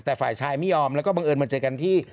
แต่ฝ่ายชายไม่ยอมแล้วก็บังเอิญมาเจอกันที่